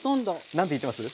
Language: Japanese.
何て言ってます？